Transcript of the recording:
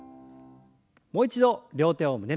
もう一度両手を胸の前に。